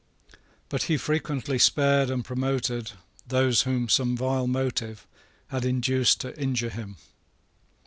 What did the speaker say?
But he frequently spared and promoted those whom some vile motive had induced to injure him.